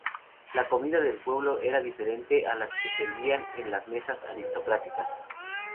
La comida del pueblo era diferente a las que servían en las mesas aristocráticas.